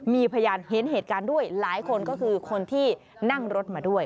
มีพยานเห็นเหตุการณ์ด้วยหลายคนก็คือคนที่นั่งรถมาด้วย